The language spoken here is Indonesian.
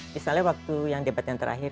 misalnya waktu yang debat yang terakhir